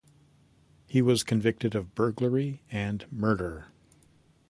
He was convicted of burglary and murder.